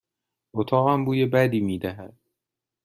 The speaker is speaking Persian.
اتاقم بوی بدی می دهد.